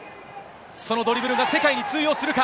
そのドリブルが世界に通用するか。